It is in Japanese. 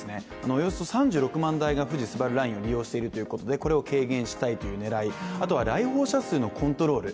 およそ３６万台が富士スバルラインを利用しているということでこれを軽減したという狙い、あとは来訪者数のコントロール。